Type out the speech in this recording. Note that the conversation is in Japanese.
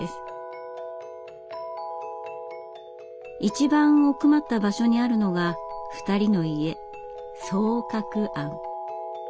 一番奥まった場所にあるのが２人の家双鶴庵。